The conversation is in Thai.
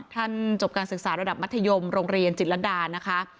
จบการศึกษาระดับมัธยมโรงเรียนจิตรดานะคะ